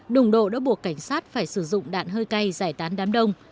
đụng độ đã buộc cảnh sát phải sử dụng đạn hơi cay giải tán đám đông